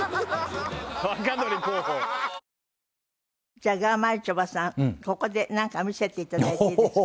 じゃあがまるちょばさんここでなんか見せていただいていいですか？